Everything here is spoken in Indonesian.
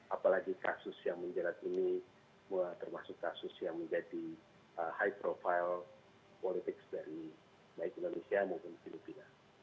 apalagi kasus yang menjerat ini termasuk kasus yang menjadi high profile politics dari baik indonesia maupun filipina